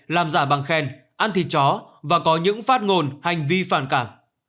làm giả bằng khen ăn thịt chó và có những phát ngôn hành vi phản cảm